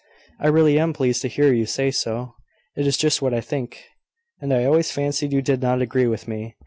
"I really am pleased to hear you say so. It is just what I think; and I always fancied you did not agree with me.